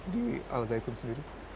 di al zaitun sendiri